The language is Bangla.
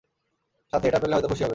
সাথে এটা পেলে হয়তো খুশি হবে।